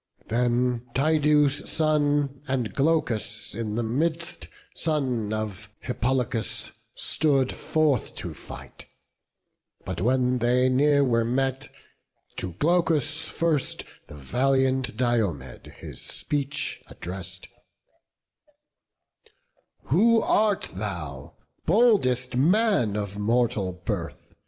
Then Tydeus' son, and Glaucus, in the midst, Son of Hippolochus, stood forth to fight; But when they near were met, to Glaucus first The valiant Diomed his speech address'd: "Who art thou, boldest man of mortal birth?